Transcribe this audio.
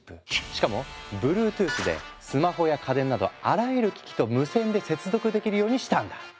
しかもＢｌｕｅｔｏｏｔｈでスマホや家電などあらゆる機器と無線で接続できるようにしたんだ。